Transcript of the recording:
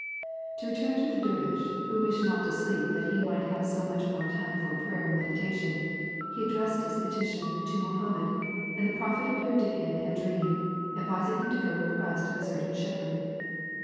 '^ To return to the dervish who wished not to sleep that he might have so much the more time for prayer and meditation, he addressed his petition to Mo hammed, and the Prophet appeared to him in a dream, advising him to go in quest of a certain shep herd.